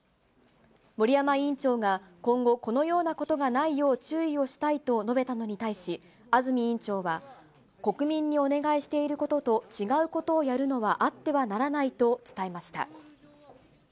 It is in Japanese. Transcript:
森山委員長が今後このようなことがないよう注意をしたいと述べたのに対し、安住委員長は、国民にお願いしていることと違うことをやるのはあってはならないと伝えました。